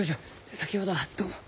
先ほどはどうも。